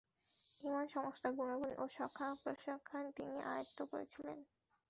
ঈমানের সমস্ত গুণাগুণ ও সকল শাখা-প্রশাখা তিনি আয়ত্ত করেছিলেন।